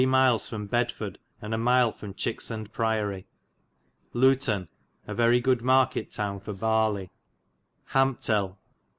miles from Bedforde, and a mile from Chyksand Priory. Luton a very good market town for barlye. Ham(ptel.)